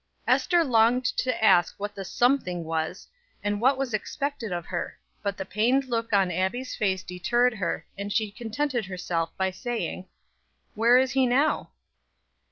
Ester longed to ask what the "something" was, and what was expected of her; but the pained look on Abbie's face deterred her, and she contented herself by saying: "Where is he now?"